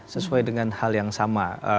sesuai dengan hal yang sama